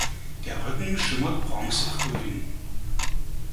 Der Rücken schimmert bronzegrün.